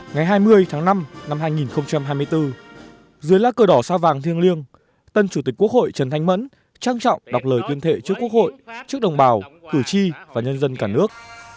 ngày hai mươi tháng năm năm hai nghìn hai mươi bốn dưới lá cờ đỏ sao vàng thiêng liêng tân chủ tịch quốc hội trần thanh mẫn trang trọng đọc lời tuyên thệ trước quốc hội trước đồng bào cử tri và nhân dân cả nước